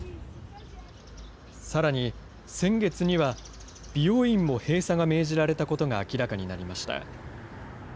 さらに、先月には美容院も閉鎖が命じられたことが明らかになりました。